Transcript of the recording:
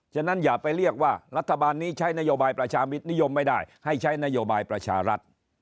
ฉะนั้นอย่าไปเรียกว่ารัฐบาลนี้ใช้นโยบายประชามิตนิยมไม่ได้ให้ใช้นโยบายประชารัฐ